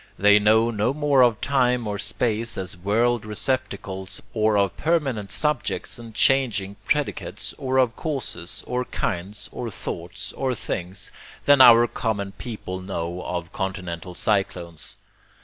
They know no more of time or space as world receptacles, or of permanent subjects and changing predicates, or of causes, or kinds, or thoughts, or things, than our common people know of continental cyclones.